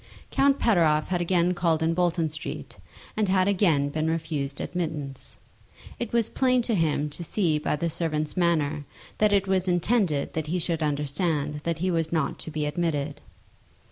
Count Pateroff had again called in Bolton Street, and had again been refused admittance. It was plain to him to see by the servant's manner that it was intended that he should understand that he was not to be admitted.